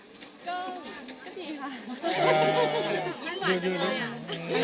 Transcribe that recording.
พูดถึงใครด้วยเนี่ยเดี๋ยวล่ะอีพีซิ